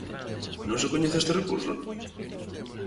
¿Non se coñece este recurso?